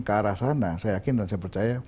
ke arah sana saya yakin dan saya percaya